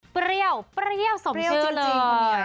เปรี้ยวเปรี้ยวสมชื่อจริง